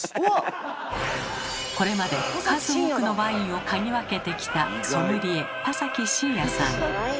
これまで数多くのワインを嗅ぎ分けてきたソムリエ田崎真也さん。